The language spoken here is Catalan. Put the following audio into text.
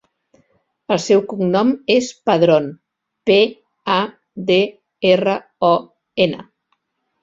El seu cognom és Padron: pe, a, de, erra, o, ena.